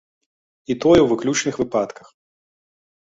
І тое ў выключных выпадках.